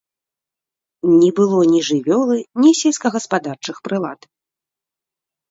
Не было ні жывёлы, ні сельскагаспадарчых прылад.